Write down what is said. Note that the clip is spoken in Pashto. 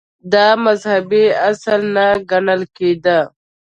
• دا مذهبي اصل نه ګڼل کېده.